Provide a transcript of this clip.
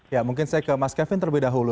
ya mungkin saya ke mas kevin terlebih dahulu